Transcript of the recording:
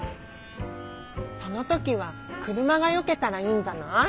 そのときはくるまがよけたらいいんじゃない？